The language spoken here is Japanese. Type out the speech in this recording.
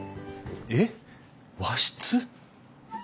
えっ和室？